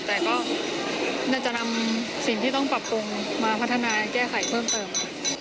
แต่ก็น่าจะนำสิ่งที่ต้องปรับปรุงมาพัฒนาแก้ไขเพิ่มเติม